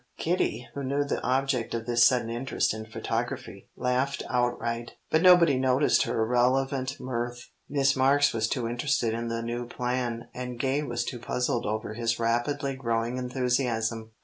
Kitty, who knew the object of this sudden interest in photography, laughed outright, but nobody noticed her irrelevant mirth. Miss Marks was too interested in the new plan, and Gay was too puzzled over his rapidly growing enthusiasm.